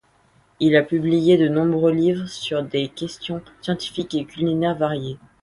Il a publié de nombreux livres sur des questions scientifiques et culinaires variées.